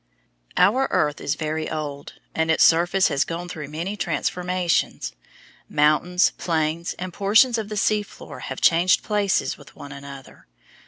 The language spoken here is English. Our earth is very old, and its surface has gone through many transformations; mountains, plains, and portions of the sea floor have changed places with one another.